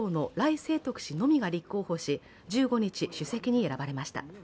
清徳氏のみが立候補し、１５日、主席に選ばれました。